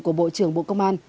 của bộ trưởng bộ công an